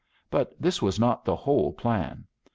But this was not the whole plan.